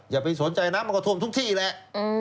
อย่าไปสนใจน้ำมันก็ท่วมทุกที่แหละ